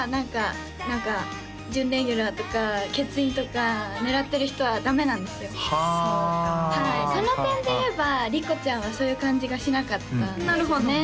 何か準レギュラーとか欠員とか狙ってる人はダメなんですよはあはいその点でいえばリコちゃんはそういう感じがしなかったんですよね